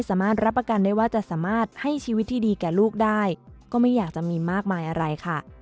รับประกันได้ว่าจะสามารถให้ชีวิตที่ดีแก่ลูกได้ก็ไม่อยากจะมีมากมายอะไรค่ะ